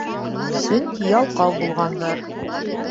Сөнки ялҡау булғандар.